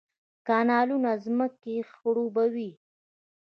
کانالونه ځمکې خړوبوي